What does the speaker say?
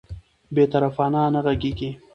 بې طرفانه نه غږیږي